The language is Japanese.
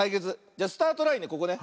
じゃスタートラインねここね。